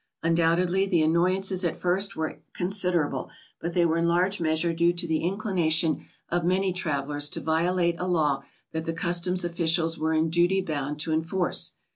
Un doubtedly the annoyances at first were considerable, but they were in large measure due to the inclination of many trav elers to violate a law that the customs officials were in duty bound to enforce.